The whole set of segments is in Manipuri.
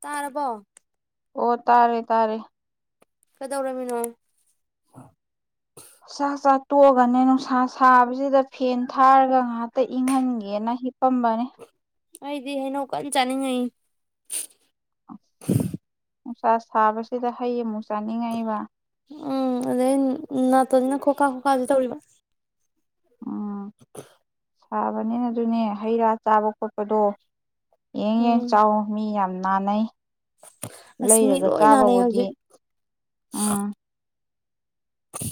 ꯇꯥꯔꯕꯣ ꯑꯣ ꯇꯥꯔꯦ ꯇꯔꯦ ꯀꯗꯧꯔꯃꯤꯅꯣ ꯆꯥꯛ ꯆꯥꯛ ꯇꯣꯛꯑꯒꯅꯦ ꯅꯨꯡꯁꯥ ꯁꯥꯕꯁꯤꯗ ꯐꯦꯟ ꯊꯥꯔꯒ ꯉꯍꯥꯛꯇ ꯏꯪꯍꯟꯒꯦꯅ ꯍꯤꯞꯄꯝꯕꯅꯤ ꯑꯩꯗꯤ ꯍꯩꯅꯧ ꯀ ꯆꯥꯅꯤꯡꯉ [unintelligible] ꯅꯨꯡꯁꯥ ꯁꯥꯕꯁꯤꯗ ꯍꯩ ꯑꯃꯨꯛ ꯆꯥꯅꯤꯡꯉꯛꯏꯕ ꯎꯝ ꯑꯗꯩ ꯅꯥꯠꯇꯣꯁꯤꯅ ꯈꯣꯀꯥ ꯈꯣꯀꯥꯥꯁ ꯇꯧꯔꯤꯕ [unintelligible] ꯐꯥꯕꯅꯤꯅ ꯑꯗꯨꯅꯦ ꯍꯩ ꯔꯥ ꯆꯥꯕ ꯈꯣꯠꯄꯗꯣ ꯌꯦꯡ ꯌꯦꯡ ꯎꯝ ꯆꯥꯎꯥꯛ ꯃꯤ ꯌꯥꯝꯅ ꯅꯦ ꯑꯁ ꯃꯤ ꯂꯩꯔꯒ ꯂꯣꯏ ꯅꯥꯅꯩ ꯆꯥꯕꯕꯨꯗꯤ ꯍꯧꯖꯤꯛ ꯎꯝ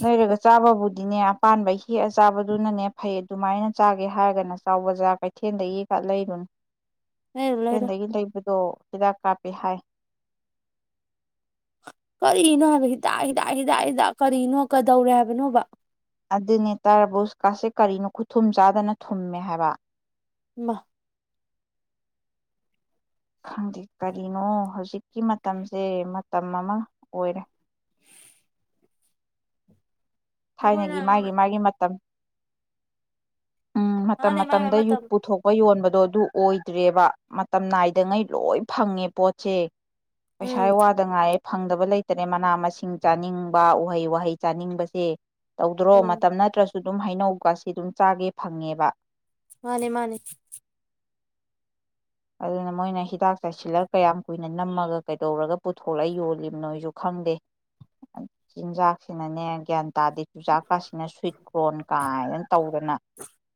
ꯂꯩꯔꯒ ꯆꯥꯕꯕꯨꯗꯤꯅꯦ ꯑꯄꯥ ꯍꯦꯛꯑ ꯆꯥꯕꯗꯨꯅꯅꯦ ꯐꯩ ꯑꯗꯨꯃꯥꯏꯅ ꯆꯥꯒꯦ ꯍꯥꯏꯔꯒꯅ ꯆ ꯕꯖꯥꯔ ꯀꯩꯊꯦꯜꯗꯒꯤ ꯈ ꯂꯩꯔꯨꯅꯦ ꯂꯩꯔꯨ ꯂꯩꯔꯨ ꯀꯗ ꯀ ꯂꯩ ꯑꯣ ꯍꯤꯗꯥꯛ ꯀꯥꯞꯄꯄꯤ ꯍꯥꯏ ꯀꯔꯤꯅꯣ ꯍꯥꯏꯕ ꯍꯤꯗꯥꯛ ꯍꯤꯗꯥꯛ ꯍꯤꯗꯥꯛ ꯍꯤꯗꯥꯛ ꯀꯔꯤꯅꯣ ꯀꯗꯧꯔꯦ ꯍꯥꯏꯕꯅꯣꯕ ꯑꯗꯨꯅꯦ ꯇꯔꯕꯀꯥꯁꯦ ꯀꯔꯤꯅꯣ ꯈꯨꯊꯨꯝ ꯆꯥꯗꯅ ꯊꯨꯝꯃꯦ ꯍꯥꯏꯕ [unintelligible] ꯈꯪꯗꯦ ꯀꯔꯤꯅꯣ ꯍꯧꯖꯤꯛꯀꯤ ꯃꯇꯝꯁꯦ ꯃꯇꯝ ꯑꯃ ꯑꯣꯏꯔꯦ ꯑꯩꯈꯣꯏꯅ ꯊꯥꯏꯅꯒꯤ ꯃꯥꯒꯤ ꯃꯥꯒꯤ ꯃꯇꯝ ꯎꯝ ꯃꯇꯝ ꯃꯥꯅꯦ ꯃꯥꯏ ꯃꯥꯏ ꯃꯇꯝꯗ ꯌꯨꯠ ꯃꯇꯝ ꯄꯨꯊꯣꯛꯄ ꯌꯣꯟꯕꯗ ꯑꯗꯣ ꯑꯗꯨ ꯑꯣꯏꯗ꯭ꯔꯦꯕ ꯃꯇꯝ ꯅꯥꯏꯗꯉꯩ ꯂꯣꯏ ꯐꯪꯉꯦ ꯄꯣꯠꯁꯦ ꯄꯩꯁꯥ ꯎꯝ ꯋꯥꯗ ꯉꯥꯏꯌꯦ ꯐꯪꯗꯕ ꯂꯩꯇꯅꯦ ꯃꯅꯥ ꯃꯁꯤꯡ ꯆꯥꯅꯤꯡꯕ ꯎꯍꯩ ꯋꯥꯍꯩ ꯆꯥꯅꯤꯡꯕꯁꯦ ꯇꯧꯗ꯭ꯔꯣ ꯎꯝ ꯃꯇꯝ ꯅꯠꯇ꯭ꯔꯁꯨ ꯁꯨ ꯑꯗꯨꯝ ꯍꯩꯅꯧꯒꯁꯤ ꯑꯗꯨꯝ ꯆꯥꯒꯦ ꯐꯪꯉꯦꯕ ꯃꯥꯅꯦ ꯃꯥꯅꯦ ꯑꯗꯨꯅ ꯃꯣꯏꯅ ꯍꯤꯗꯥꯛ ꯆꯥꯁꯤꯜꯂꯒ ꯀꯌꯥꯝ ꯀꯨꯏꯅ ꯅꯝꯃꯒ ꯀꯩꯗꯧꯔꯒ ꯄꯨꯊꯣꯛꯂ ꯌꯣꯜꯂꯤꯕꯅꯣꯁꯨ ꯈꯪꯗꯦ ꯆꯤꯟꯖꯥꯛꯁꯤꯅꯅꯦ ꯒ꯭ꯌꯥꯟ ꯇ ꯇꯥꯗꯗꯤ ꯆꯨꯖꯥꯛꯀꯥꯁꯤꯅ ꯁ꯭ꯋꯏꯠ ꯀ꯭ꯔꯣꯟ ꯀꯥꯏꯗꯅ ꯇꯧꯗꯅ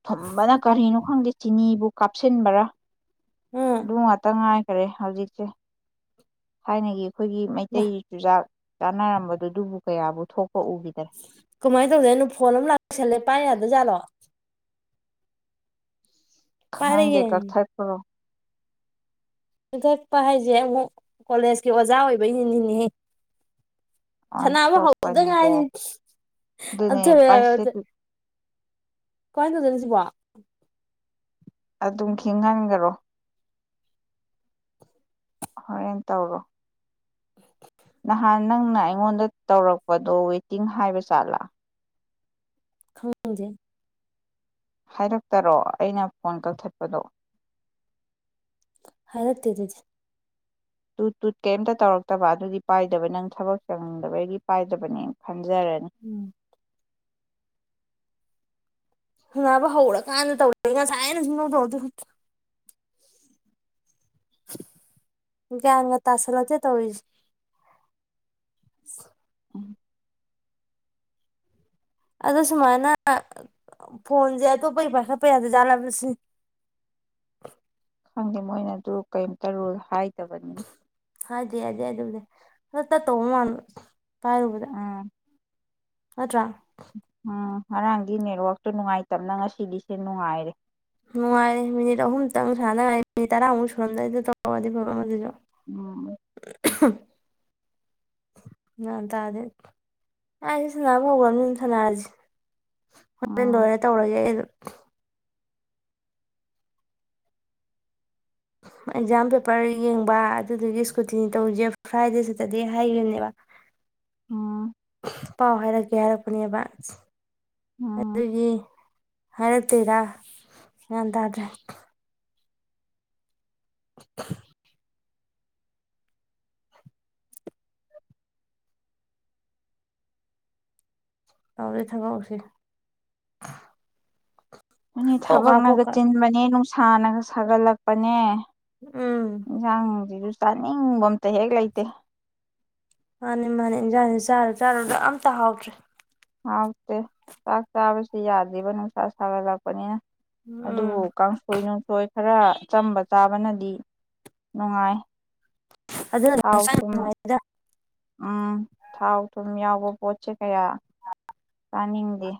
ꯊꯨꯝꯕꯅ ꯀꯔꯤꯅꯣ ꯈꯪꯗꯦ ꯆꯤꯅꯤꯕꯨ ꯀꯥꯞꯁꯤꯟꯕꯔꯥ ꯎꯝ ꯉꯥꯛꯇ ꯉꯥꯏꯈꯔꯦ ꯍꯧꯖꯤꯛꯁꯦ ꯍꯥꯏ ꯅ ꯑꯩꯈꯣꯏꯒꯤ ꯃꯥ ꯃꯩꯇꯩ ꯆꯨꯖꯥꯛ ꯆꯥꯟꯅꯔꯝꯕꯗꯨꯗꯨꯕꯨ ꯀꯌꯥꯕꯨ ꯊꯣꯛ ꯀꯃꯥꯏꯅ ꯇꯧꯗꯣꯏꯅꯣ ꯐꯣꯟ ꯑꯃ ꯂꯥꯛꯁꯜꯂꯦ ꯄꯥꯏ ꯌꯥꯗꯖꯥꯠꯂꯣ ꯄꯥꯏꯔꯦ ꯍꯪ ꯗꯦ ꯀ ꯊꯥꯏ ꯇꯣ ꯄꯤꯊꯛꯄ ꯍꯥꯏꯁꯦ ꯑꯃꯨꯛ ꯀꯣꯂꯦꯖꯀꯤ ꯑꯣꯖꯥ ꯑꯣꯏꯕꯩ ꯅꯤꯅꯦ ꯁꯅꯥꯕꯨ ꯍꯧꯗ ꯑꯣꯟꯊꯣꯛꯄꯅꯤꯗ ꯉꯥꯏꯅꯤ ꯑꯗꯨꯅꯦ ꯑꯊ ꯄꯥꯏꯁꯤꯠ ꯀꯣꯏ ꯇꯣꯗꯅꯤꯁꯤ ꯄꯣ ꯑꯗꯨꯝ ꯈꯤꯍꯟꯈꯔꯣ ꯍꯣꯔꯦꯟꯦꯟ ꯇꯧꯔꯣ ꯅꯍꯥꯟ ꯅꯪꯅ ꯑꯩꯉꯣꯟꯗ ꯇꯧꯔꯛꯄꯗꯣ ꯋꯦꯇꯤꯡ ꯍꯥꯏꯕ ꯆꯥꯠꯂꯥ ꯈꯪꯖꯩ ꯍꯥꯏꯔꯛꯇꯔꯣ ꯑꯩꯅ ꯐꯣꯟ ꯀꯛꯊꯠꯄꯗꯣ ꯍꯥꯏꯔꯛꯇꯦ ꯑꯗꯨꯗꯤ ꯇꯨ ꯇꯨꯠ ꯀꯩꯝꯇ ꯇꯧꯔꯛꯇꯕ ꯑꯗꯨꯗꯤ ꯄꯥꯏꯗꯕ ꯅꯪ ꯊꯕꯛ ꯆꯪꯅꯤꯡꯗꯕꯒꯤ ꯄꯥꯏꯗꯕꯅꯦ ꯈ ꯖꯔꯦꯅꯦ ꯎꯝ ꯅꯕ ꯍꯧꯔꯀꯥꯟꯗ ꯇꯧ ꯉꯁꯥꯏ ꯑꯩꯅ ꯁꯧꯗ ꯒ꯭ꯌꯥꯟꯒ ꯇꯥꯁꯜꯂꯛꯇꯦ ꯇꯧꯔꯤꯁꯦ ꯎꯝ ꯑ ꯁꯨꯃꯥꯏꯅ ꯐꯣꯟꯁꯦ ꯑꯇꯣꯞꯄꯒꯤ ꯄꯥꯏꯈꯠꯄ ꯌꯥꯗꯖꯥꯠꯂꯝꯂꯁꯤꯅꯤ ꯈꯪꯗꯦ ꯃꯣꯏꯅ ꯑꯗꯨ ꯀꯩꯝꯇ ꯔꯨꯜ ꯍꯥꯏ ꯠꯇꯕꯅꯤ ꯍꯥꯏ ꯍꯥꯏ ꯍꯥꯏꯕꯨ ꯍꯠꯇ ꯇꯧ ꯃꯥ ꯄꯥꯔꯨꯕꯗ ꯎꯝ ꯑꯗꯨꯠꯇ꯭ꯔꯥ ꯎꯝ ꯉꯔꯥꯡꯒꯤ ꯅꯦꯠꯋꯥꯛꯁꯨꯣ ꯅꯨꯡꯉꯥꯏꯇꯕꯅ ꯉꯁꯤꯗꯤꯁꯦ ꯅꯨꯡꯉꯥꯏꯔꯦ ꯅꯨꯡꯉꯥꯏꯔꯦ ꯃꯤꯅꯤꯠ ꯑꯍꯨꯝꯇꯪ ꯁꯥꯟꯅꯉꯥꯏ ꯃꯤꯅꯤꯠ ꯇꯔꯥꯃꯨꯛ ꯁꯨꯔꯝꯗꯥꯏꯗ ꯇꯧꯔꯗꯤ ꯐꯕ ꯑꯗꯨꯁꯨ ꯎꯝ ꯉ ꯇꯗ ꯑ ꯁꯅꯥꯕꯕ ꯁꯅ ꯑ ꯍꯦꯟ ꯎꯝ ꯂꯣꯏꯔꯦ ꯇꯧꯔꯒꯦ ꯑꯩ ꯑꯗꯨꯝ [unintelligible] ꯑꯦꯛꯖꯥꯝ ꯄꯦꯄꯔ ꯌꯦꯡꯕ ꯑꯗꯨꯗꯨꯒꯤ ꯏꯁꯀꯨꯇꯤꯅꯤ ꯇꯧꯁꯦ ꯐ꯭ꯔꯥꯏꯗꯦ ꯁꯦꯇꯔꯗꯦ ꯍꯥꯏꯈꯤꯕꯅꯦꯕ ꯎꯝ ꯄꯥꯎ ꯍꯥꯏꯔꯛꯀꯦ ꯍꯥꯏꯔꯛꯄꯅꯦꯕꯁ ꯎꯝ ꯑꯗꯨꯒꯤ ꯍꯔꯛꯇꯔꯥ ꯌꯦꯟꯗꯗ꯭ꯔꯦ [unintelligible] ꯇꯧꯔꯤ ꯊ ꯀꯧꯁꯤ ꯃꯅꯤ ꯊꯕ ꯅꯒ ꯆꯤꯟ ꯃꯅꯤꯦ ꯁꯥꯥꯟꯅꯒ ꯁꯥꯒꯠꯂꯛꯄꯅꯦ ꯎꯝ ꯌꯥꯥꯡ ꯆꯥꯅꯤꯡꯕ ꯑꯝꯇ ꯍꯦꯛ ꯂꯩꯇꯦ ꯃꯥꯅꯤ ꯃꯥꯅꯤ ꯏꯟꯖꯥꯅꯤ ꯆꯥꯔꯣ ꯆꯥꯔ ꯌꯥꯝ ꯑꯇ ꯍꯥꯎꯗ꯭ꯔꯦ ꯍꯥꯎꯇꯦ ꯆꯥꯛ ꯆꯥꯁꯨ ꯌꯥꯗ꯭ꯕ ꯅꯨꯡꯁꯥ ꯁꯥꯒꯠꯂꯛꯄꯅꯤꯅ ꯎꯝ ꯑꯗꯨꯕꯨ ꯀꯥꯡꯁꯣꯏ ꯅꯨꯡꯁꯣꯏ ꯈꯔ ꯑꯆꯝꯕ ꯆꯥꯕꯅꯗꯤ ꯅꯨꯡꯉꯥꯏ ꯑꯗꯨꯅ ꯊꯥꯎ ꯍꯛꯆꯥꯡ ꯊꯨꯝ ꯅꯨꯡꯉꯥꯏꯗ ꯎꯝ ꯊꯥꯎ ꯊꯨꯝ ꯌꯥꯎꯕ ꯄꯠ ꯆꯩ ꯀꯌꯥ ꯇꯥꯅꯤꯗꯤꯦ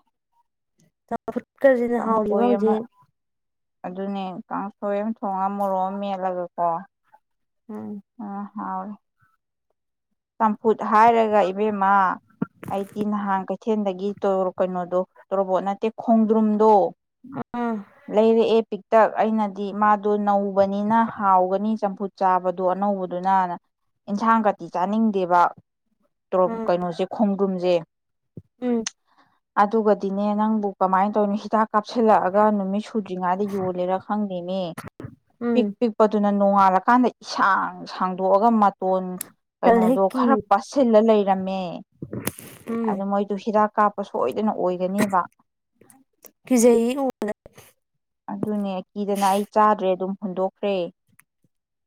ꯑꯐꯨꯠꯀꯁꯤꯅ ꯍꯥꯎꯁꯤ ꯍꯥꯎꯁꯦ ꯑꯃ ꯑꯗꯨꯅꯦ ꯀꯥꯡꯁꯣꯏ ꯑꯃ ꯊꯣꯡꯉꯒ ꯃꯣꯔꯣꯛ ꯑꯃ ꯃꯦꯜꯂꯒꯀꯣ ꯎꯝ ꯍꯥꯎ ꯆꯝꯐꯨꯠ ꯍꯥꯏꯔꯒ ꯏꯕꯦꯝꯃ ꯑꯩꯗꯤ ꯅꯍꯥꯟ ꯀꯩꯊꯦꯜꯗꯒꯤ ꯀꯩꯅꯣꯗꯣ ꯇꯣꯔꯣꯕꯣꯠ ꯅꯠꯇꯦ ꯈꯣꯡꯗ꯭ꯔꯨꯝꯗꯣ ꯎꯝ ꯂꯩ ꯂꯩ ꯄꯤꯛꯇꯛ ꯑꯩꯅꯗꯤ ꯃꯥꯗꯣ ꯅꯧ ꯅ ꯍꯒꯅꯤ ꯆꯝꯐꯨꯠ ꯆꯥꯕ ꯑꯗꯨꯣ ꯑꯅꯧꯕꯗꯨꯅ ꯌꯦꯟꯁꯥꯡ ꯀꯇꯤ ꯆꯥꯅꯤꯡ ꯗꯦꯕ ꯣ ꯎꯝ ꯀꯩꯅꯣꯁꯦ ꯈꯣꯡ ꯨꯝꯖꯦ ꯎꯝ ꯑꯗꯨꯒꯗꯤꯅꯦ ꯅꯪꯕꯨ ꯀꯃꯥꯏꯅ ꯇꯧꯅꯤꯣ ꯍꯤꯗꯥꯛ ꯀꯥꯞꯁꯤꯜꯂꯛꯑꯒ ꯅꯨꯃꯤꯠ ꯁꯨꯗ꯭ꯔꯤꯉꯩꯗ ꯌꯣꯜꯂꯦꯔ ꯈꯪꯗꯦꯅꯦ ꯎꯝ ꯄꯤꯛ ꯄꯤꯛꯄꯗꯨꯅ ꯅꯣꯡꯉꯥꯜꯂꯀꯥꯟꯗ ꯏꯁꯥꯡ ꯁꯥꯡꯗꯣꯛꯑꯒ ꯐꯣꯟ ꯇꯜꯂꯦꯍꯦ ꯀꯩꯅꯣꯗꯣ ꯀꯤ ꯈꯔ ꯄꯁꯤ ꯂ ꯂꯩꯔꯝꯃꯦ ꯎꯝ ꯑꯗꯨ ꯃꯣꯏꯗꯨ ꯍꯤꯗꯥꯛ ꯀꯥꯞꯄ ꯁꯣꯏꯗꯅ ꯑꯣꯏꯒꯅꯦꯕ ꯀꯤꯖꯩꯌꯦ ꯎ ꯑꯗꯨ ꯑꯗꯨꯅ ꯀꯗꯅ ꯑꯩ ꯆꯥꯗ꯭ꯔꯦ ꯑꯗꯨꯝ ꯍꯨꯟꯗꯣꯛꯈ꯭ꯔꯦ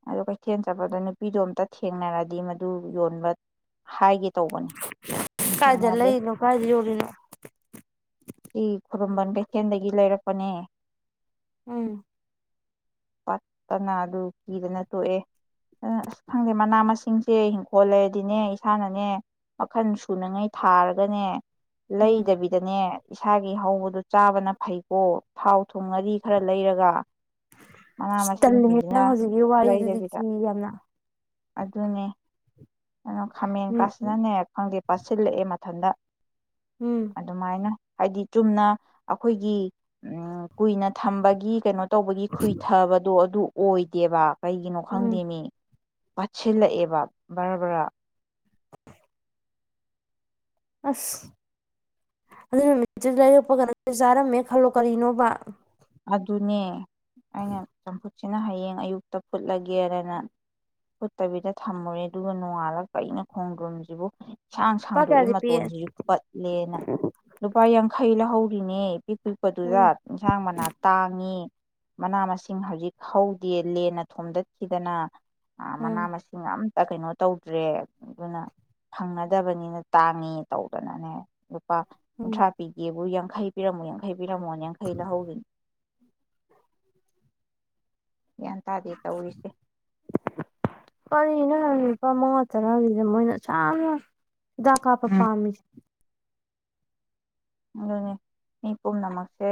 ꯑꯗ ꯀꯩꯊꯦꯜ ꯆꯠꯄꯗ ꯅꯨꯄꯤꯗꯣ ꯑꯝꯇ ꯊꯦꯡꯅꯔꯗꯤ ꯃꯗꯨ ꯌꯣꯟꯕ ꯍꯥꯏꯒꯦ ꯇꯧꯕꯅꯤ ꯀꯥꯏꯗ ꯊꯦꯡꯅꯗꯦ ꯂꯩꯔꯤꯅꯣ ꯀꯥꯏꯗ ꯌꯣꯜꯂꯤꯅꯣ ꯁꯤ ꯈꯨꯔꯝꯕꯟ ꯕꯩꯊꯦꯟꯗꯒꯤ ꯂꯩꯔꯛꯄ ꯑꯅꯦ ꯎꯝ ꯄꯠꯇꯅ ꯑꯗꯨ ꯀꯤꯗꯅ ꯇꯣꯛꯑꯦ ꯑꯗꯨ ꯑꯁ ꯈꯪꯗꯦ ꯃꯅꯥ ꯃꯁꯤꯡꯁꯦ ꯏꯪꯈꯣꯜ ꯂꯩꯔꯗꯤꯅꯦ ꯏꯁꯥꯅꯅꯦ ꯃꯈꯜ ꯁꯨꯅꯉꯩ ꯊꯥꯔꯒꯅꯦ ꯎꯝ ꯂꯩꯗꯕꯤꯗꯅꯦ ꯏꯁꯥꯒꯤ ꯍꯧꯕꯗꯨ ꯆꯥꯕꯅ ꯐꯩꯀꯣ ꯊꯥꯎ ꯊꯨꯝ ꯑꯗꯤ ꯈꯔ ꯂꯩꯔꯒ ꯃꯅꯥ ꯑꯁ ꯇꯜꯂꯍꯦ ꯃꯁꯤꯡꯁꯤꯡꯁꯤꯅ ꯅꯪ ꯍꯧꯖꯤꯛꯀꯤ ꯋꯥꯔꯤꯗꯨꯗꯤ ꯀꯤ ꯂꯩꯗꯕꯤꯗ ꯌꯥꯝꯅ ꯑꯗꯨꯅꯦ ꯑꯣ ꯈꯥꯃꯦꯟ ꯎꯝ ꯎꯝ ꯀꯥꯁꯤꯟꯅꯅꯦꯔ ꯈꯪꯗꯦ ꯄꯥꯁꯤꯜꯂꯛꯑꯦ ꯃꯊꯟꯇ ꯎꯝ ꯑꯗꯨꯃꯥꯏꯅ ꯍꯥꯏꯗꯤ ꯆꯨꯝꯅ ꯑꯩꯈꯣꯏꯒꯤ ꯀꯨꯏꯅ ꯊꯝꯕꯒꯤ ꯀꯩꯅꯣ ꯇꯧꯕꯒꯤ ꯈꯨꯨꯏꯊꯕꯗꯣ ꯑꯗꯨ ꯑꯣꯏꯗꯦꯕ ꯀꯩꯒꯤꯅꯣ ꯎꯝ ꯈꯪꯗꯦꯃꯤ ꯄꯥꯠꯁꯤꯜꯂꯛꯑꯦꯕ ꯕꯔꯥ ꯕꯔꯥ ꯑꯁ ꯑꯗꯨ ꯅꯨꯃꯤꯠꯇꯨ ꯂꯩꯔꯛꯄ ꯀ ꯆꯥꯔꯝꯃꯦ ꯈꯜꯂꯣ ꯀꯔꯤꯅꯣꯕ ꯑꯗꯨꯅꯦ ꯑ ꯆ ꯁꯤꯅ ꯍꯌꯦꯡ ꯑꯌꯨꯛꯇ ꯐꯨꯠꯂꯒꯦꯗꯅ ꯐꯨꯠꯇꯕꯤꯗ ꯊꯝꯃꯨꯔꯦ ꯑꯗꯨꯒ ꯅꯣꯡꯉꯥꯜꯂꯛꯄ ꯑꯩꯅ ꯈꯣꯡꯗ꯭ꯔꯣꯨꯝꯁꯤꯕꯨ ꯏꯁꯥꯡ ꯂꯨꯄꯥ ꯀꯌꯥꯗꯤ ꯁꯥꯡꯗꯣꯛꯏꯦ ꯄꯤ ꯃꯇꯣꯟꯁꯤꯁꯨ ꯀꯠꯂꯦꯅ ꯂꯨꯄꯥ ꯌꯥꯡꯈꯩ ꯂꯧꯍꯧ ꯕꯤꯅꯤꯠ ꯄꯤꯛ ꯄꯤꯛꯄꯗꯨꯗ ꯎꯝ ꯏꯟꯁꯥꯡ ꯃꯅꯥ ꯪꯉ ꯃꯅꯥ ꯃꯁꯤꯡ ꯍꯧꯖꯤꯛ ꯍꯧꯗꯦ ꯂꯦꯟꯅ ꯊꯣꯝꯗꯠꯈꯤꯗꯅ ꯑ ꯃꯅꯥ ꯎꯝ ꯃꯁꯤꯡ ꯑ ꯇ ꯀꯩꯅꯣ ꯇꯧꯗ꯭ꯔꯦ ꯑꯗꯨꯅ ꯐꯪꯅꯗꯕꯅꯤꯅ ꯇꯥꯡꯉꯤ ꯇꯧꯗꯅꯅꯦ ꯄꯥ ꯎꯝ ꯀꯨꯟꯊ꯭ꯔꯥ ꯄꯤꯒꯦꯕꯨ ꯌꯥ ꯈꯩ ꯄꯔꯝꯃꯨ ꯌꯥꯡꯈꯩ ꯄꯕꯤꯔꯝꯃꯣ ꯌꯥꯡꯈꯩ ꯂꯧꯍꯧꯒꯅꯤ ꯒ꯭ꯌꯥꯟ ꯇꯥꯗꯦ ꯇꯧꯔꯤꯁꯦ ꯀꯔꯤꯅꯣ ꯂꯨꯄꯥ ꯃꯉꯥ ꯇꯔꯥꯔꯤꯗꯦ ꯃꯣꯏꯅ ꯆꯥꯅ ꯑꯗꯨ ꯀꯥ ꯄ ꯎꯝ ꯄꯝꯃꯤ ꯑꯗꯨꯅꯦ ꯃꯤ ꯄꯨꯝꯅꯃꯛꯁꯦ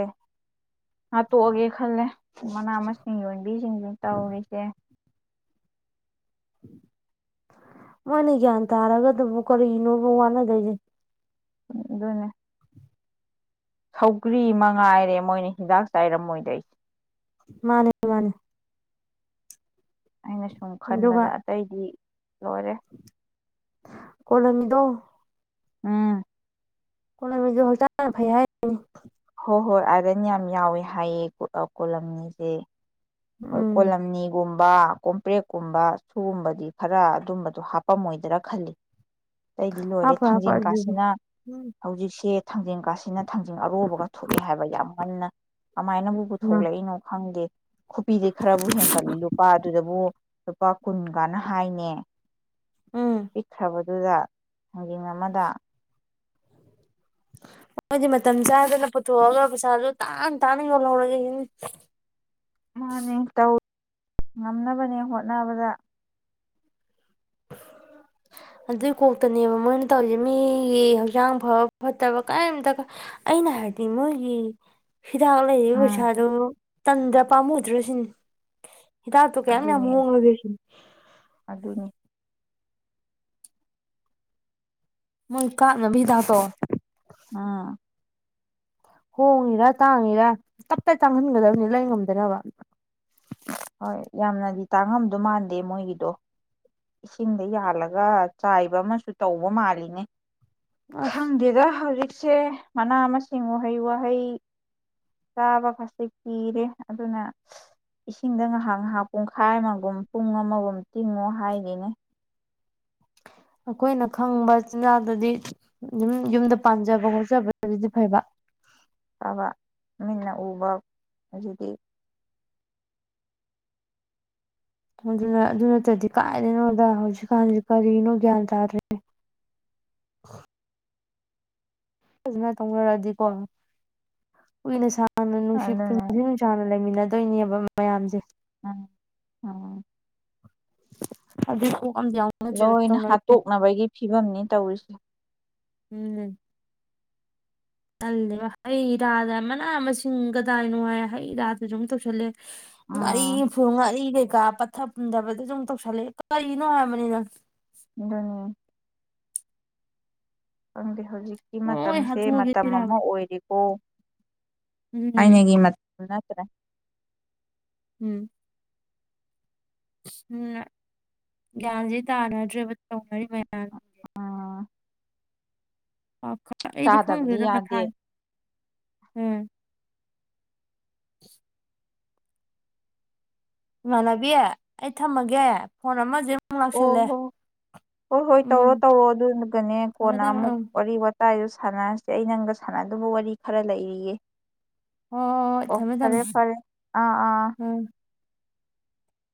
ꯍꯥꯠꯇꯣꯛꯑꯒꯦ ꯈꯜꯂꯦ ꯃꯅꯥ ꯃꯁꯤꯡ ꯌꯣꯟꯕꯤꯁꯤꯡꯁꯤ ꯇꯧꯔꯤꯁꯦ ꯃꯥꯅꯤ ꯒ꯭ꯌꯥꯟ ꯇꯥꯔꯒ ꯑꯗꯨꯛ ꯀꯔꯤꯅꯣꯕꯨ ꯋꯥꯅꯗꯣꯏꯁꯦ ꯑꯗꯨꯅꯦ ꯁꯧꯒ꯭ꯔꯤ ꯃꯉꯥꯏꯔꯦ ꯃꯣꯏꯅ ꯍꯤꯟꯗꯥꯛ ꯆꯥꯏꯔꯝꯃꯣꯏꯗ ꯑꯩꯁꯦ ꯃꯥꯅꯦ ꯃꯥꯅꯦ ꯑꯩꯅ ꯁꯨꯝ ꯈꯟꯕꯗ ꯑꯇꯩꯗꯤ ꯂꯣꯏꯔꯦ [inaudible] ꯀꯂꯃꯤꯗꯣ ꯎꯝ ꯀꯅꯥ ꯃꯤꯁꯨ ꯍꯜꯇ ꯐꯩ ꯍꯥꯏ ꯍꯣꯏ ꯍꯣꯏ ꯑꯥꯗꯅꯤ ꯌꯥꯝ ꯌꯥꯎꯋꯦ ꯍꯥꯏꯌꯦ ꯀꯣꯂꯝꯅꯤꯁꯦ ꯍꯣꯏ ꯎꯝ ꯀꯣꯂꯂꯝꯅꯤꯒꯨꯝꯕ ꯀꯣꯝꯄ꯭ꯔꯦꯛꯀꯨꯝꯕ ꯁꯨꯒꯨꯝꯕꯗꯤ ꯈꯔ ꯑꯗꯨꯝꯕꯗꯣ ꯍꯥꯄꯝꯃꯣꯏꯗꯔꯥ ꯈꯜꯂꯤ ꯑꯇꯩꯗꯤ ꯂꯣꯏꯔꯦ ꯍꯥꯞꯄꯨ ꯍꯥꯞꯄꯨ ꯊꯥꯡꯖꯤꯡ ꯑꯗꯨꯗꯤ ꯀꯥꯁꯤꯅ ꯎꯝ ꯍꯧꯖꯤꯛꯁꯦ ꯊꯥꯡꯖꯦꯡ ꯀꯥꯁꯤꯅ ꯊꯥꯡꯖꯤꯡ ꯑꯔꯨꯕꯒ ꯊꯣꯛꯑꯦ ꯍꯥꯏꯕ ꯌꯥꯝ ꯉꯟꯅ ꯀꯃꯥꯏꯅꯕꯨ ꯎꯝ ꯄꯨꯊꯣꯂꯛꯏꯅꯣ ꯈꯪꯗꯦ ꯈꯨꯄꯤꯗꯤꯩ ꯈꯔꯕꯨ ꯍꯦꯟꯒꯠꯂꯤ ꯂꯨꯄꯥ ꯑꯗꯨꯗꯕꯨ ꯂꯨꯄꯥ ꯀꯨꯟꯒꯅ ꯍꯥꯏꯅꯦ ꯎꯝ ꯄꯤꯛꯈ꯭ꯔꯕꯗꯨꯗ ꯍꯥꯡꯖꯤꯡ ꯑꯃꯗ ꯍꯥꯏꯣꯏꯗꯤ ꯃꯇꯝ ꯆꯥꯗꯅ ꯄꯨꯊꯣꯛꯑꯒ ꯄꯩꯁꯥꯁꯨ ꯇꯥꯅ ꯇꯥꯅ ꯌꯧꯍꯧꯔꯒ ꯏꯅꯤ ꯃꯥꯅꯦ ꯇꯧ ꯉꯝꯅꯕꯅꯦ ꯍꯣꯠꯅꯕꯗ ꯑꯗꯨꯏ ꯀꯣꯛꯇꯅꯦꯕ ꯃꯣꯏꯅ ꯇꯧꯔꯤꯁꯦ ꯃꯤꯒꯤ ꯍꯛꯆꯥꯡ ꯐꯕ ꯐꯠꯇꯕ ꯀꯔꯤꯝꯇ ꯑꯩꯅ ꯍꯥꯏꯕꯗꯤ ꯃꯣꯏꯒꯤ ꯁꯤꯤꯗ ꯂꯩ ꯍꯩꯁꯥ ꯎꯝ ꯑꯗꯨꯣ ꯇꯟꯗ ꯄꯥꯝꯃꯨꯗ꯭ꯔꯁꯤꯅꯤ ꯍꯤꯗꯥꯛꯇꯨ ꯀꯌꯥꯝ ꯌꯥꯝ ꯑꯗꯨꯅꯦ ꯃꯨꯣꯡꯡꯂꯒꯣꯏꯁꯤꯅ ꯑꯗꯨꯅꯤ ꯃꯣꯏ ꯀꯥꯞꯅꯕꯤꯤꯗꯇꯣ ꯑꯥ ꯍꯣꯡꯉꯤꯔꯥ ꯇꯥꯡꯉꯤꯔꯥ ꯇꯞ ꯇ ꯇꯥꯡꯍꯟꯒꯗꯕꯅꯤ ꯂꯩ ꯉꯝꯗꯅꯕ ꯍꯣꯏ ꯌꯥꯝꯅꯗꯤ ꯇꯥꯡꯉꯝꯗꯧ ꯃꯥꯟꯗꯦ ꯃꯣꯏꯒꯤꯗꯣ ꯏꯁꯤꯡꯗ ꯌꯥꯜꯂꯒ ꯆꯥꯏꯕ ꯑꯃꯁꯨ ꯇꯧꯕ ꯃꯥꯜꯂꯤꯅꯦ ꯑꯁ ꯈꯪꯗꯦꯗ ꯍꯔ ꯏꯁꯦ ꯃꯅꯥ ꯃꯁꯤꯡ ꯎꯍꯩ ꯋꯥꯍꯩ ꯆꯥꯕ ꯈꯖꯤꯛ ꯄꯤꯔꯦ ꯑꯗꯨꯅ ꯏꯁꯤꯡꯗ ꯉꯥꯏꯍꯥꯛ ꯉꯥꯏꯍꯥꯛ ꯄꯨꯡꯈꯥꯏ ꯑꯃꯒꯨꯝ ꯄꯨꯡ ꯑꯃꯒꯨꯝ ꯇꯤꯡꯉꯣ ꯍꯥꯏ ꯑꯅꯦ ꯑꯩꯈꯣꯏꯅ ꯈꯪꯕ ꯆꯤꯟꯖꯥꯛꯗꯨꯗꯤ ꯑꯗꯨꯝ ꯌꯨꯝꯗ ꯄꯥꯟꯖꯕ ꯈꯣꯠꯆꯕꯗꯨꯗꯤ ꯐꯩꯕ ꯐꯕ ꯃꯤꯟꯅ ꯎꯕ ꯑꯗꯨꯗꯤ ꯑꯗꯨꯅ ꯑꯗꯨ ꯅꯠꯇꯗꯤ ꯀꯥꯏꯗꯅꯣꯗ ꯍꯧꯖꯤꯛꯀꯥꯟꯁꯤ ꯀꯔꯤꯅꯣ ꯒ꯭ꯌꯥꯟ ꯇꯥꯗ꯭ꯔꯦ ꯐꯖꯅ ꯇꯧꯅꯔꯛꯑꯗꯤꯀꯣ ꯀꯨꯏꯅ ꯁ ꯍꯥꯟꯅ ꯅꯨꯡꯁꯤ ꯑꯗꯨꯅꯦ ꯄꯨꯟꯁꯤ ꯅꯨꯡꯁꯥꯅ ꯂꯩꯃꯤꯟꯅꯗꯣꯏꯅꯦꯕ ꯃꯌꯥꯝꯁꯦ ꯎꯝ ꯎꯝ ꯑꯗꯨꯗꯣ ꯂꯣꯏꯅ ꯍꯥꯠꯇꯣꯛꯅꯕꯒꯤ ꯐꯤꯕꯝꯅꯤ ꯇꯧꯔꯤꯁꯦ ꯆꯜꯂꯦꯕ ꯍꯩ ꯔꯥꯗ ꯃꯅꯥ ꯃꯁꯤꯡ ꯀꯗꯥꯏꯅꯣꯉꯥꯏ ꯍꯩ ꯔꯥꯗꯁꯨ ꯑꯨꯝ ꯇꯧꯁꯜꯂꯦ ꯉꯔꯤ ꯎꯝ ꯐꯨ ꯉꯔꯤ ꯀ ꯀ ꯄꯊ ꯍꯟꯗꯕꯗꯣ ꯑꯗꯨꯝ ꯇꯧꯁꯜꯂꯑꯦ ꯀꯔꯤꯅꯣ ꯍꯥꯏꯕꯅꯤ ꯅꯪ ꯎꯝ ꯍꯪꯦ ꯍꯧꯖꯤꯛꯀꯤ ꯂꯣꯏ ꯃꯇꯝꯁꯦ ꯃꯇꯝ ꯑꯃ ꯍꯥꯠꯇꯣꯛꯑꯒꯦꯔꯥꯕ ꯑꯣꯏꯔꯤꯕ ꯑꯣ ꯑꯗꯨꯅꯦ ꯍꯥꯏꯅꯦ ꯀꯤꯃ ꯎ ꯅꯠꯇ꯭ꯔꯦ ꯎꯝ ꯎꯝ ꯒ꯭ꯌꯥꯟꯁꯦ ꯇꯥꯅꯗ꯭ꯔꯕ ꯇꯧꯅꯔꯤ ꯃꯌꯥꯝ ꯎꯝ ꯑ ꯑꯩꯗꯤ ꯆꯥꯗꯕꯗꯤ ꯈꯪꯉꯗꯦꯅ ꯌꯥꯗꯦ ꯃꯊꯥꯏ ꯎꯝ [unintelligible] ꯏꯃꯥꯟꯅꯕꯤ ꯑꯩ ꯊꯝꯃꯒꯦ ꯐꯣꯟ ꯑꯃꯁꯦ ꯑꯃꯨꯛ ꯑꯣ ꯂꯥꯛꯁꯜꯂꯦ ꯍꯣ ꯍꯣꯏ ꯍꯣꯏ ꯇꯧꯔꯣ ꯎꯝ ꯇꯧꯔꯣ ꯑꯗꯨꯒꯅꯦ ꯊꯝꯃꯦ ꯀꯣꯟꯅ ꯊꯝꯃꯦ ꯑꯃꯨꯛ ꯎꯝ ꯋꯥꯔꯤ ꯋꯥꯇ ꯗ ꯁꯥꯟꯅꯔꯁꯦ ꯑꯩ ꯅꯪꯒ ꯁꯥꯟꯅꯗꯨꯕ ꯋꯥꯔꯤ ꯈꯔ ꯂꯩꯔꯤꯌꯦ ꯍꯣꯏ ꯍꯣꯏ ꯍꯣꯏ ꯑꯣ ꯊꯝꯃꯦ ꯐꯔꯦ ꯊꯝꯃꯦ ꯐꯔꯦ ꯑꯥ ꯑꯥ ꯎꯝ